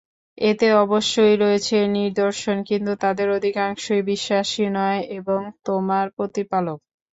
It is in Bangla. এতে অবশ্যই রয়েছে নিদর্শন, কিন্তু তাদের অধিকাংশই বিশ্বাসী নয় এবং তোমার প্রতিপালক!